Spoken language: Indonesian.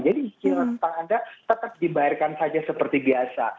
jadi cicilan setelah anda tetap dibayarkan saja seperti biasa